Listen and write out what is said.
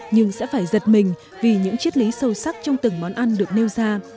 nhưng sẽ phải giật mình vì những chiếc lý sâu sắc trong từng món ăn được nêu ra